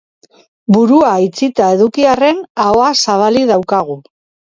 Burua itxita eduki arren ahoa zabalik daukagu.